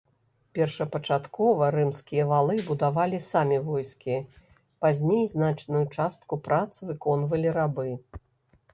Першапачаткова рымскія валы будавалі самі войскі, пазней значную частку прац выконвалі рабы.